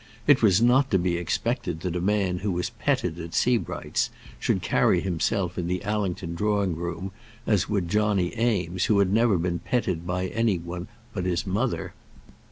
It was not to be expected that a man who was petted at Sebright's should carry himself in the Allington drawing room as would Johnny Eames, who had never been petted by any one but his mother.